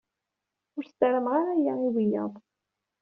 Ur ssarameɣ ara aya i wiyad.